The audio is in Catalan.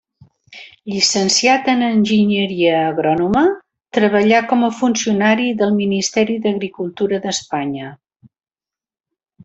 Llicenciat en enginyeria agrònoma, treballà com a funcionari del Ministeri d'Agricultura d'Espanya.